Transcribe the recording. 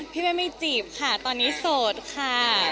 แม่ไม่จีบค่ะตอนนี้โสดค่ะ